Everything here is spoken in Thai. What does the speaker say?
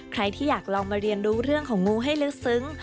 ใครที่อยากลองมาเรียนรู้เรื่องของงูให้ลึกซึ้ง